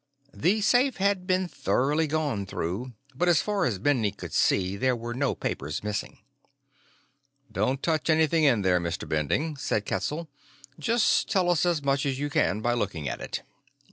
The safe had been thoroughly gone through, but as far as Bending could see, there were no papers missing. "Don't touch anything in there, Mr. Bending," said Ketzel, "Just tell us as much as you can by looking at it."